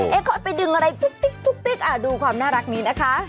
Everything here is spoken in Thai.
ค่อยไปดึงอะไรตุ๊กดูความน่ารักนี้นะคะ